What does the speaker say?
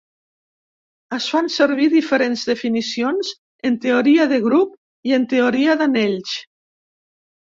Es fan servir diferents definicions en teoria de grup i en teoria d'anells.